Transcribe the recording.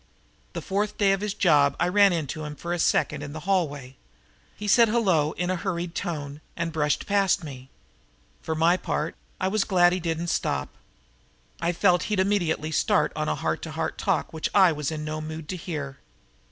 The fourth day of his job I ran into him for a second in the hallway. He said hello in a hurried tone and brushed past me. For my part I was glad he didn't stop. I felt he'd immediately start on a heart to heart talk which I was in no mood to hear.